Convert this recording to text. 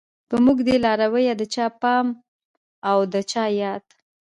په موږ دی لارويه د چا پام او د چا ياد